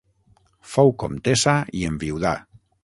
Fou comtessa i enviudà.